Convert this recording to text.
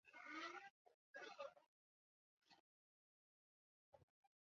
以自己女儿们为模特儿